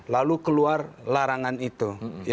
lalu keluar larangan itu